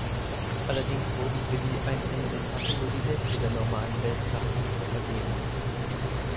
Allerdings wurden für die einzelnen Etappen nur die Hälfte der normalen Weltcuppunkte vergeben.